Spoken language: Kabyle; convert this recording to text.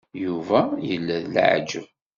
Yuba yella d leɛǧeb.